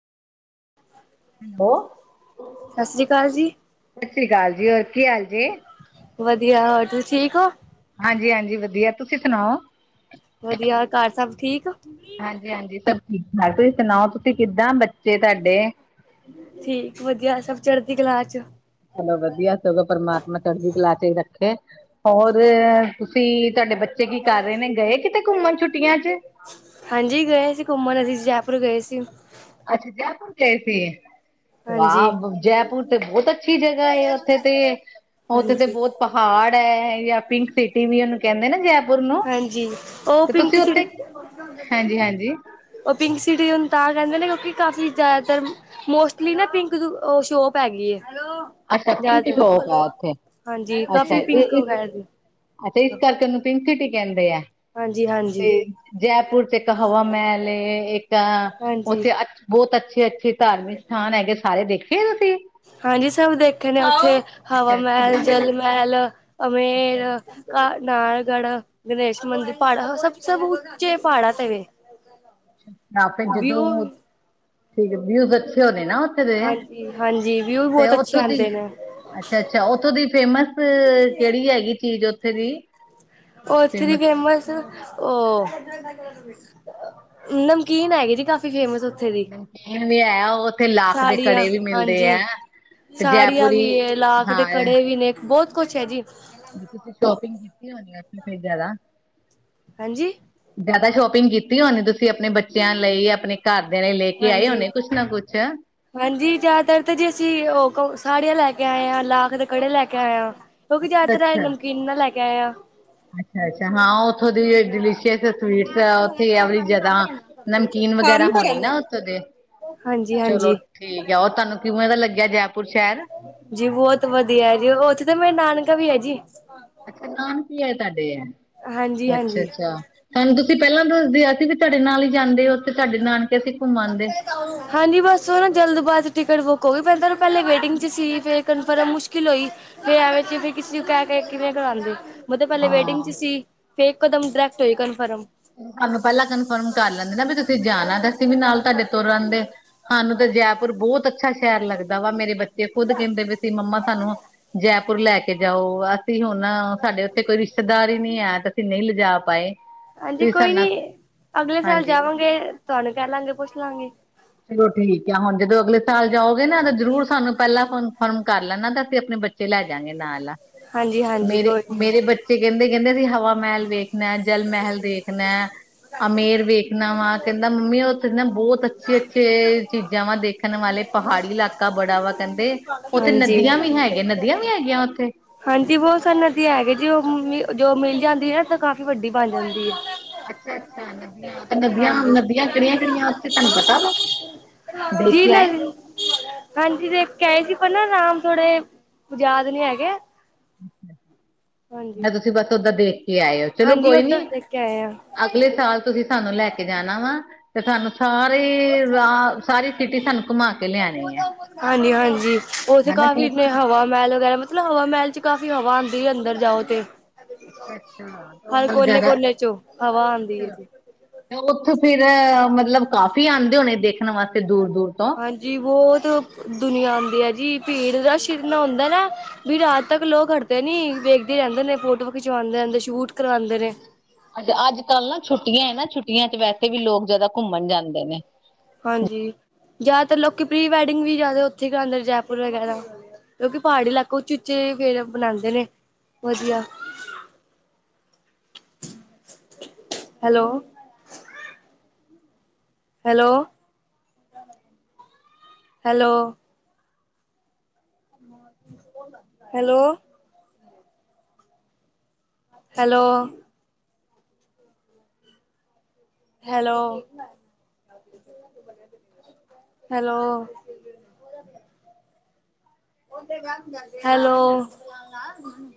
Hello, ਸਤਿ ਸ੍ਰੀ ਅਕਾਲ ਜੀ ਸਤਿ ਸ੍ਰੀ ਅਕਾਲ ਜੀ, ਹੋਰ ਕੀ ਹਾਲ ਜੇ? ਵਧੀਆ, ਹੋਰ ਤੁਸੀ ਠੀਕ ਹੋ? ਹਾਂਜੀ ਹਾਂਜੀ, ਵਧੀਆ। ਤੁਸੀਂ ਸੁਣਾਔ? ਵਧੀਆ, ਕਰ ਸਭ ਠੀਕ? ਠੀਕ-ਠਾਕ ਤੁਸੀਂ ਸੁਣਾਔ ਤੁਸੀਂ ਕਿੱਦਾਂ ਬੱਚੇ ਤੁਹਾਡੇ ਠੀਕ ਵਧੀਆ ਸਭ ਚੜ੍ਹਦੀ ਕਲਾ ਚ। ਚਲੋ ਵਧੀਆ ਸਗੋਂ ਪਰਮਾਤਮਾ ਚੜ੍ਹਦੀ ਕਲਾ ਚ ਹੀ ਰੱਖੇ। ਔਰ ਤੁਸੀਂ ਤੁਹਾਡੇ ਬਚ ਬੱਚੇ ਕੀ ਕਰ ਰਹੇ ਨੇ? ਗਏ ਕਿਤੇ ਘੁੰਮਣ ਛੁੱਟੀਆਂ ਚ? ਓਪਰ ਗਏ ਸੀ ਅੱਛਾ, ਜੈਪੁਰ ਗਏ ਸੀ? ਹਾਂਜੀ ਵਾਹ ਬ ਜੈਪੁਰ ਤੇ ਬਹੁਤ ਅੱਛੀ ਜਗ੍ਹਾ ਔਥੇ ਤੇ ਔਥੇ ਤੇ ਹਾਂਜੀ ਬਹੁਤ ਪਹਾੜ ਏ ਜਾਂ ਪਿੰਕ ਸਿਟੀ ਵੀ ਔਨੂੰ ਕਹਿੰਦੇ ਨੇ ਜੇ ਹਾਂਜੀ, ਔ ਪਿੰਕ ਸਿਟੀ ਹਾਂਜੀ ਹਾਂਜੀ ਔ ਪਿੰਕ ਸਿਟੀ ਉ ਤਾਂ ਰਹਿੰਦੇ ਨੇ ਕਿਉਂਕਿ ਕਾਫ਼ੀ ਜ਼ਿਆਦਾਤਰ ਮੋਸਟਲੀ ਨਾ ਪਿੰਕ ਦੁ ਸ਼ੋਪ ਹੇਗੀ ਏ। ਅੱਛਾ ਪਿੰਕ ਜ਼ਿਆਦਾ ਸ਼ੋਪ ਹੈ ਤਰ, ਉੱਥੇ ਹਾਂਜੀ ਅੱਛਾ ਕਾਫੀ ਇਹ ਪਿੰਕ ਇਸ ਵਗੈਰਾ ਦੀ ਅੱਛਾ, ਇਸ ਕਰਕੇ ਔਨੂੰ ਪਿੰਕ ਸਿਟੀ ਕਹਿੰਦੇ ਏ। ਹਾਂਜੀ ਹਾਂਜੀ ਤੇ ਜੈਪੁਰ ਚ ਇੱਕ ਹਵਾ ਮਹਿਲ ਏ, ਇੱਕ ਹਾਂਜੀ ਔਥੇ ਅ ਬਹੁਤ ਅੱਛੇ-ਅੱਛੇ ਧਾਰਮਿਕ ਸਥਾਨ ਹੈਗੇ। ਸਾਰੇ ਦੇਖ ਹਾਂਜੀ ਸਭ ਦੇਖੇ ਨੇ ਉੱਥੇ ਹਵਾ ਅੱਛਾ ਮਹਿਲ ਕਿੱਦਾਂ ਦੇ ਲੱਗ ਜਲ ਮਹਿਲ ਅੱਛਾ ਅਮੇਰ ਅ ਨਗੜ੍ਹ ਗਣੇਸ਼ ਮੰਦਿਰ ਪਹਾੜਾਂ ਸਭ ਸਮੁੱਚੇ ਪਹਾੜਾਂ ਤੇਵੇਂ ਅ ਫਿਰ ਜਦੋਂ ਠੀਕ ਹੈ ਵਿਿਊਜ਼ ਦਥੇ ਹੋਦੇ ਨਾ ਉੱਥੇ ਦੇ ਹਾਂਜੀ ਹਾਂਜੀ ਵੀਊ ਵੀ ਤੇ ਬਹੁਤ ਅੱਛੇ ਉੱਥੋਂ ਦੀ ਆਉਂਦੇ ਨੇ ਅੱਛਾ ਅੱਛਾ ਉੱਥੋਂ ਦੀ ਫੇਮਸ ਕਿਹੜੀ ਹੈਗੀ ਚੀਜ਼ ਉੱਥੇ ਦੀ ਉਹ ਥੇਰੀ ਫੇਮਸ ਉਹ ਨਮਕੀਨ ਹੈਗੇ ਜੀ ਕਾਫੀ ਫੇਮਸ ਉੱਥੇ ਦੀ ਨਮਕੀਨ ਵੀ ਹੈ ਉਹ ਉੱਥੇ ਲਾ ਦੇ ਸਾੜੀਆਂ ਘੜੇ ਵੀ ਮਿਲਦੇ ਹਾਂਜੀ ਹੈ ਤੇ ਸਾੜੀਆਂ ਜੈਪੁਰੀ ਵੀ ਲਾਖ ਦੇ ਹਾਂ ਕੜੇ ਵੀ ਨੇ ਬਹੁਤ ਕੁਛ ਹੈ ਜੀ ਤੁਸੀਂ ਸ਼ੋਪਿੰਗ ਕੀਤੀ ਹੋਣੀ ਉਥੇ ਫ ਜਿਆਦਾ ਹਾਂਜੀ ਜ਼ਿਆਦਾ ਸ਼ੋਪਿੰਗ ਕੀਤੀ ਉਹੇ ਤੁਸੀਂ ਆਪਣੇ ਬੱਚਿਆਂ ਲਈ ਆਪਣੇ ਘਰ ਹਾਂਜੀ ਹਾਂਜੀ ਜ਼ਿਆਦਾਤਰ ਤਾਂ ਜੇ ਅਸੀਂ ਉਹ ਕ ਸਾੜੀਆਂ ਲੈ ਕੇ ਆਏ ਆ ਲਾਖ ਦੇ ਕੜੇ ਲੈ ਕੇ ਆਏ ਆ ਕਿਉਂਕਿ ਅੱਛਾ ਜਿਆਤਰ ਅੱਛਾ ਨਮਕੀਨ ਨਾਲ ਲੈ ਕੇ ਆਏ ਆ ਅੱਛਾ ਅੱਛਾ ਹਾਂ ਉੱਥੋਂ ਦੀਲੀ ਛੇ ਸਵੀਟਸ ਉੱਥੇ ਜਿਆਦਾ ਨਮਕੀਨ ਵਗੈਰਾ ਹੋਣੀ ਨਾ ਉਥੋਂ ਦੇ ਹਾਂਜੀ ਚਲੋ ਹਾਂਜੀ। ਠੀਕ ਆ ਉਹ ਤੁਹਾਨੂੰ ਕਿਵੇਂ ਦਾ ਲੱਗਿਆ ਜੈਪੁਰ ਸ਼ਹਿਰ ਜੀ ਬਹੁਤ ਵਧੀਆ ਜੀ ਉੱਥੇ ਤਾਂ ਮੇਰਾ ਨਾਨਕਾ ਵੀ ਹੈ ਜੀ ਅੱਛਾ ਨਾਮ ਕੀ ਹੈ ਤੁਹਾਡੇ ਹਾਂਜੀ ਅੱਛਾ ਹਾਂਜੀ। ਅੱਛਾ ਸਾਨੂੰ ਤੁਸੀਂ ਪਹਿਲਾਂ ਦੱਸਦੇ ਅਸੀਂ ਵੀ ਤੁਹਾਡੇ ਨਾਲ ਹੀ ਜਾਂਦੇ ਹੋ ਉਥੇ ਤੁਡੇ ਨਾਲ ਹਾਂਜੀ ਬਸ ਉਹ ਨਾ ਜਲਦਬਾਦ ਟਿਕਟ ਬੁੱਕ ਹੋ ਗਈ ਪੈਂਦਾ ਉਹਨੂੰ ਪਹਿਲੇ ਵੇਟਿੰਗ ' ਸੀ ਫਿਰ ਕਨਫਰਮ ਮੁਸ਼ਕਿਲ ਹੋਈ ਫਿਰ ਐਵੇਂ ਚ ਫਿਰ ਕਿਸੇ ਨੂੰ ਕਹਿ ਕੇ ਕਿਵੇਂ ਕਰਉਂਦੀ ਮਤਬ ਪਹਿਲੇ ਹਾਂ ਵੇਟਿੰਗ ਚ ਸੀ ਫੇਕ ਕਦਮ ਡਰੈਕਟ ਹੋਈ ਕਨਫਰਮ ਸਾਨੂੰ ਪਹਿਲਾਂ ਕਨਫਰਮ ਕਰ ਲੈਂਦੇ ਨਾ ਬਈ ਤੁਸੀਂ ਜਾਣਾ ਤੇ ਅਸੀਂ ਵੀ ਨਾਲ ਤੁਹਾਡੇ ਤੁਰ ਆਂਦੇ। ਸਾਨੂ ਜੈਪੁਰ ਬਹੁਤ ਅੱਛਾ ਸ਼ਹਿਰ ਲੱਗਦਾ ਵਾ ਮੇਰੇ ਬੱਚੇ ਖੁਦ ਕਹਿੰਦੇ ਵੀ ਸੀ ਮੰਮਾ ਸਹਾਨੂੰ ਜੈਪ ਲੈ ਕੇ ਜਾਓ ਅਸੀਂ ਹੁਣ ਸਾਡੇ ਉੱਥੇ ਕੋਈ ਰਿਸ਼ਤੇਦਾਰ ਹੀ ਨਹੀਂੀ ਹੈ ਤੇ ਅਸੀਂ ਨਹੀਂ ਲਿਜਾ ਪਾਏ ਹਾਂਜੀ ਤੁਸੀਂ ਸਾਡੇ ਕੋਈ ਨਾਲ ਨੀ ਅਗਲੇ ਸਾਲ ਹਾਂਜੀ। ਜਾਵਾਂਗੇ ਤੁਹਾਨੂੰ ਕਹਿ ਲਾਂਗੇ ਪੁੱਛ ਲਾਂਗੇ ਚਲੋ ਠੀਕ ਆ ਹੁਣ ਜਦੋਂ ਅਗਲੇ ਸਾਲ ਜਾਓਗੇ ਨਾ ਤਾਂ ਜ਼ਰੂਰ ਸਾਨੂੰ ਪਹਿਲਾਂ ਫਰਮ ਕਰ ਲੈਣਾ ਤਾਂ ਆਪਣੇ ਬੱਚੇ ਲੈ ਜਾਗੇ ਨਾਲ ਆ ਹਾਂਜੀ-ਹਾਂਜੀ ਮੇਰੇ ਕੋਈ ਨੀ। ਮੇਰੇ ਬੱਚੇ ਕਹਿੰਦੇ ਕਹਿੰਦੇ ਸੀ ਹਵਾ ਮਹਿਲ ਵੇਖਣਾ ਜਲ ਮਹਿਲ ਦੇਖਣਾ ਅਮੇਰ ਵੇਖਣਾ ਵਾ ਕਹਿੰਦਾ ਮੰਮੀ ਉਹਥੇ ਨਾ ਬਹੁਤ ਅੱਛ ਅੱਛੇ ਅੱਛੇ ਚੀਜ਼ਾਂ ਵਾ ਦੇਖਣ ਵਾਲੇ ਪਹਾੜੀ ਇਲਾਕਾ ਬੜਾ ਵਾ ਕਹਿੰਦੇ ਉੱਥੇ ਹਾਂਜੀ ਨਦੀਆਂ ਵੀ ਹੈਗੀਆਂ ਨਦੀਆਂ ਵੀ ਹੈਗੀਆਂ ਉੱਥੇ ਹਾਂਜੀ ਬਹੁਤ ਸਨਾਂ ਦੀ ਹੈਗੇ ਜੀ ਉਹ ਮੰ ਜੋ ਮਿਲ ਜਾਂਦੀ ਹੈ ਨਾ ਤਾਂ ਕਾਫ਼ੀ ਵੱਡੀ ਬਣ ਜਾਂਦੀ ਹੈ ਅੱਛਾ ਅੱਛਾ ਨਦੀੀਆਂ ਨਦੀਆਂ ਹਾਂਜੀ ਨਦੀਆਂ ਕਿਹੜੀਆਂ ਕਿਹੜੀਆਂ ਉੱਥੇ ਤੁਹਾਨੂੰ ਪਤਾ ਵਾ ਦੇਖ ਜੀ ਕੇ ਨਾ ਆਏ ਹਾਂਜੀ ਤੇ ਕਹਿ ਸੀ ਪਰ ਨਾ ਆਰਾਾਮ ਥੋੜੇ ਯਾਦ ਨਹੀਂੀ ਹੈਗੇ ਹਾਂਜੀ। ਮੈਂ ਤੁਸੀਂ ਬਸ ਓਦਾਂ ਦੇਖ ਕੀ ਆਏ ਹੋ ਚਲੋ ਹਾਂਜੀ ਕੋਈ ਨੀ ਓਦਾਂ ਦੇਖ ਕੇ ਆਏ ਆ। ਅਗਲੇ ਸਾਲ ਤੁਸੀਂ ਸਾਨੂੰ ਲੈ ਕੇ ਜਾਣਾ ਵਾ ਤੇ ਸਾਨੂੰ ਸਾਰੀ ਸਾਰੀ ਸਿਟੀ ਸਾਨੂੰ ਘੁਮਾ ਕੇ ਲਿਆਣੀ ਆ ਹਾਂਜੀ-ਹਾਂਜੀ ਉੱਥੇ ਹਜੀ ਕਾਫ਼ੀ ਨੇ ਹਵਾ ਮਹਿਲ ਵਗੈਰਾ ਮਤਲਬ ਹਵਾ ਮਹਿਲ ਚ ਕਾਫ਼ੀ ਹਵਾ ਆਉਂਦੀ ਹੈ ਅੰਦਰ ਜਾਓ ਤੇ ਅੱਛਾ-ਅੱਛਾ ਤੇ ਉਹ ਹਰ ਮਤਲਬ ਕੋਨੇ ਜਿਆਦਾ ਕੋਨੇ ਚੋਂ ਹਵਾ ਆਉਂਦੀ ਹੈ ਜੀ ਫੇਿਰ ਮਤਲਬ ਕਾਫੀ ਆਉਂਦੇ ਹੋਣੇ ਦੇਖਣ ਵਾਸਤੇ ਦੂਰ ਹਾਂਜੀ ਬਹੁਤ ਦੁਨੀਆਂ ਆਉਂਦੀ ਹੈ ਜੀ ਭੀੜ ਦਾ ਸ਼ਿਰਨਾ ਆਉਂਦਾ ਨਾ ਵੀ ਰਾਤ ਤੱਕ ਲੋਕ ਹਟਦੇ ਨੀ ਵੇਖਦੇ ਰਹਿੰਦੇ ਨੇ ਫੋਟੋਆਂ ਖਿਚਵਾਉਂਦੇ ਰਹਿੰਦੇ ਸ਼ੂਟ ਕਰਵਾਉਂਦੇ ਨੇ ਅੱਜ ਕੱਲ੍ਹ ਨਾ ਛੁੱਟੀਆਂ ਹੈ ਨਾ ਛੁੱਟੀਆਂ ਚ ਵੈਸੇ ਵੀ ਲੋਕ ਜ਼ਿਆਦਾ ਘੁੰਮਣ ਜਾਂਦੇ ਨੇ ਹਾਂਜੀ ਜ਼ਿਆਦਾਤਰ ਲੋਕੀ ਪ੍ਰੀ ਵੈਡਿੰਗ ਵੀ ਜ਼ਿਆਦਾ ਉੱਥੇ ਕਰਾਉਦੇ ਜੈਪੁਰ ਵਗੈਰਾ ਕਿਉਂਕਿ ਪਹਾੜੀ ਇਲਾਕੇ ਚੀਚੇ ਫੇਰ ਬਣਾਉਂਦੇ ਨੇ ਵਧੀਆ [inaudible] hello hello hello hello! Hello hello hello! Hello